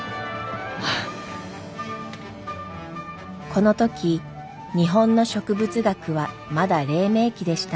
この時日本の植物学はまだ黎明期でした。